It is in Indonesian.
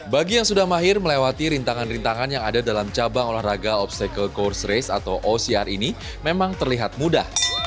bagi yang sudah mahir melewati rintangan rintangan yang ada dalam cabang olahraga obstacle course race atau ocr ini memang terlihat mudah